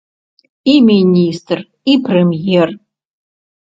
І міністр, і прэм'ер.